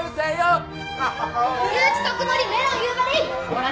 ほら。